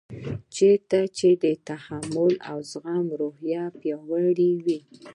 چېرته چې د تحمل او زغم روحیه پیاوړې وي.